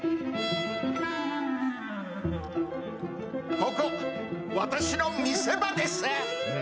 ここ私の見せ場です！